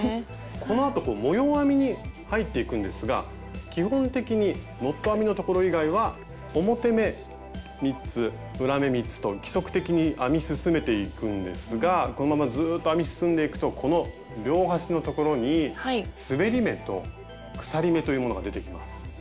このあと模様編みに入っていくんですが基本的にノット編みのところ以外は表目３つ裏目３つと規則的に編み進めていくんですがこのままずっと編み進んでいくとこの両端のところにすべり目と鎖目というものが出てきます。